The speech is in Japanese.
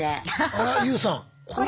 あらＹＯＵさんこれ？